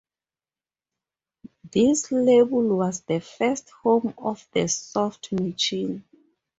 This label was the first home of the Soft Machine.